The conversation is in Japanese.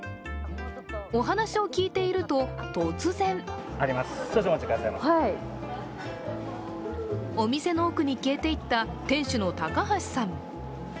お話を聞いていると突然お店の奥に消えていった店主の高橋さん。